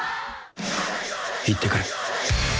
行ってくる。